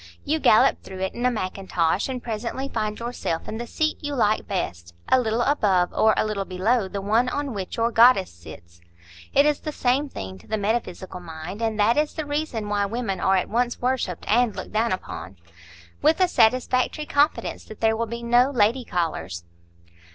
You gallop through it in a mackintosh, and presently find yourself in the seat you like best,—a little above or a little below the one on which your goddess sits (it is the same thing to the metaphysical mind, and that is the reason why women are at once worshipped and looked down upon), with a satisfactory confidence that there will be no lady callers.